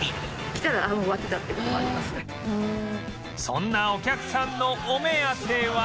そんなお客さんのお目当ては